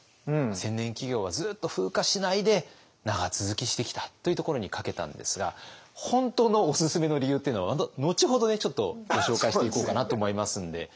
千年企業はずっと風化しないで長続きしてきたというところにかけたんですが本当のオススメの理由っていうのは後ほどちょっとご紹介していこうかなと思いますんで。